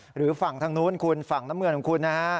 หรือฝั่งทางนู้นคุณฝั่งน้ำเงินของคุณนะฮะ